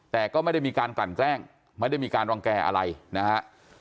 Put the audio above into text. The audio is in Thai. แต่ก็ไม่ได้มีการกลั่นแกล้งไม่ได้มีการรังแก่อะไรนะฮะ